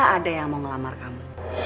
ada yang mau ngelamar kamu